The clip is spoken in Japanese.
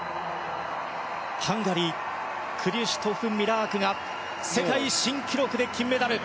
ハンガリーのクリシュトフ・ミラークが世界新記録で金メダル。